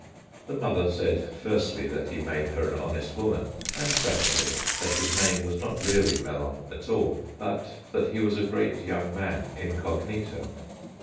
The mother said, firstly, that he made her an honest woman, and secondly, that his name was not really Mellon at all, but that he was a great young man incog nito.